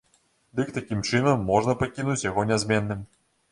Дык такім чынам можна пакінуць яго нязменным.